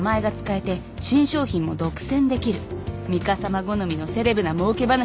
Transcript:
ミカさま好みのセレブなもうけ話